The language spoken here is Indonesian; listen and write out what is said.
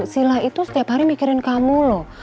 sila itu setiap hari mikirin kamu loh